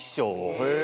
へえ。